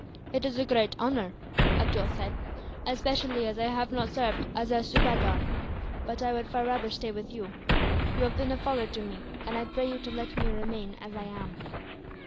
"It is a great honour," Abdool said, "especially as I have not served as a soubahdar; but I would far rather stay with you. You have been a father to me, and I pray you to let me remain as I am."